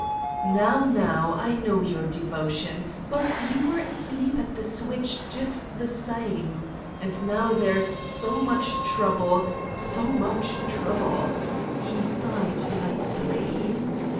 "Now, now, I know your devotion, but you were asleep at the switch just the same? And now there is so much trouble, so much trouble!" he sighed lightly.